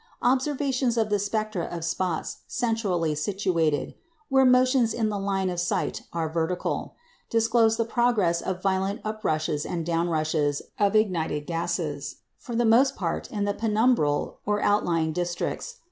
Observations of the spectra of spots centrally situated (where motions in the line of sight are vertical) disclose the progress of violent uprushes and downrushes of ignited gases, for the most part in the penumbral or outlying districts.